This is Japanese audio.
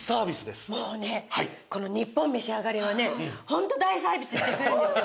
もうねこの『ニッポンめしあがれ』はねホント大サービスやってくれるんですよ。